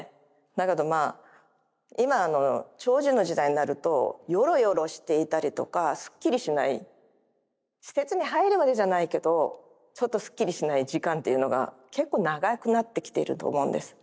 だけどまあ今長寿の時代になるとよろよろしていたりとかすっきりしない施設に入るまでじゃないけどちょっとすっきりしない時間っていうのが結構長くなってきていると思うんです。